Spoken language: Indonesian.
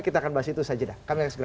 kita akan bahas itu saja dah